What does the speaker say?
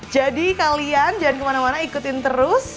jadi kalian jangan kemana mana ikutin terus